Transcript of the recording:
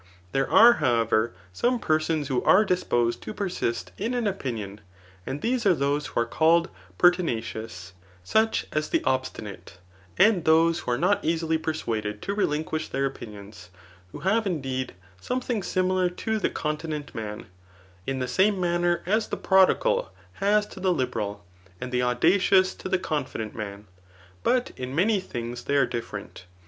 There are, however, some persons who are disposed to persist in an opinion, and these are those who are called pertinacious, such as the obstinate, and those who are not easily persuaded to relinquish their opinion, who have, indeed, something similar to the continent man, in the Digitized by Google CHAP. IX. ETHICS. 271 same manner as the prodigal has to the liberal, and the audacious to the confident man ; but in many things they are different.